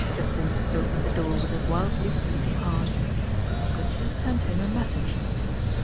Jacynth opened the door with a wildly beating •heart. Could she have sent him a message?